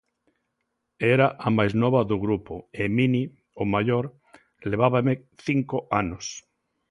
Era a máis nova do grupo e Mini, o maior, levábame cinco anos.